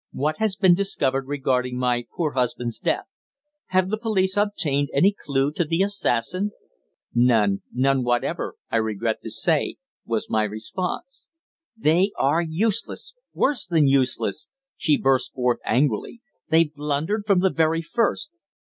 What has been discovered regarding my poor husband's death? Have the police obtained any clue to the assassin?" "None none whatever, I regret to say," was my response. "They are useless worse than useless!" she burst forth angrily; "they blundered from the very first."